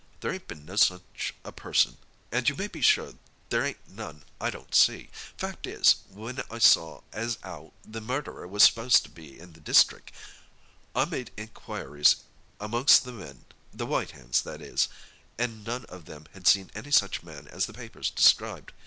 "There ain't been no such a person—and you may be sure there ain't none I don't see! Fact is, when I saw as 'ow the murderer was supposed to be in this districk, I made inquiries amongst the men—the white hands, that is—and none of them had seen any such man as the papers described.